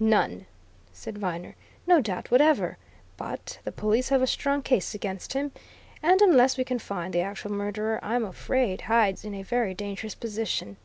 "None!" said Viner. "No doubt whatever! But the police have a strong case against him. And unless we can find the actual murderer, I'm afraid Hyde's in a very dangerous position."